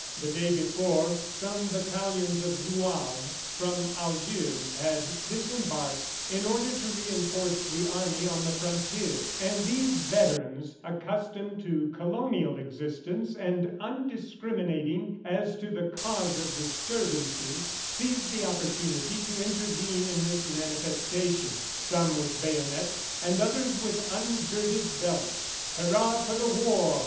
The day before, some battalions of Zouaves from Algiers had disembarked in order to reinforce the army on the frontier, and these veterans, accustomed to colonial existence and undiscriminating as to the cause of disturbances, seized the opportunity to intervene in this manifestation, some with bayonets and others with ungirded belts. "Hurrah for War!"